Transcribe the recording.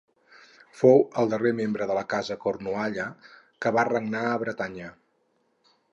Fou el darrer membre de la casa de Cornualla que va regnar a Bretanya.